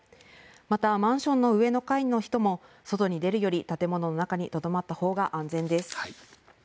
また、マンションの上の階の人も外に出るより建物の中にとどまったほうが安全です。